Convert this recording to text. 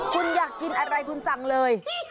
คุณอยากกินอะไรคุณสั่งเลย